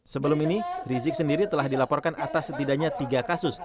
sebelum ini rizik sendiri telah dilaporkan atas setidaknya tiga kasus